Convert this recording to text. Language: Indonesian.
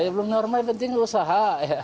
belum normal penting usaha